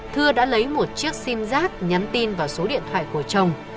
thưa đã lấy một chiếc sim giác nhắn tin vào số điện thoại của chồng